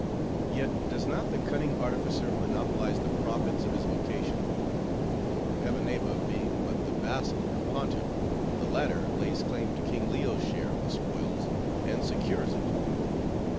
Yet does not the cunning artificer monopolize the profits of his vocation; for Hevaneva being but the vassal of the Pontiff, the latter lays claim to King Leo's share of the spoils, and secures it.